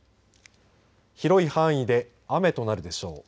広い範囲で雨となるでしょう。